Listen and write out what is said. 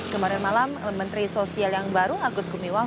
kemarin malam menteri sosial yang baru agus gumiwang